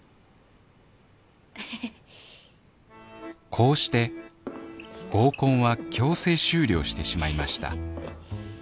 こうして合コンは強制終了してしまいました。